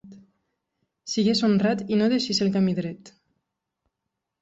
Sigues honrat i no deixis el camí dret.